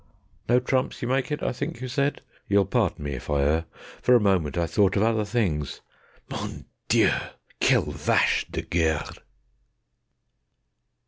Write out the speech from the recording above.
No trumps you make it, I think you said? You'll pardon me if I err; For a moment I thought of other things ... _MON DIEU! QUELLE VACHE DE GUERRE.